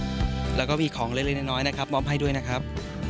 ปลอดภัยครับแล้วก็มีของเล็กน้อยนะครับม้อมให้ด้วยนะครับ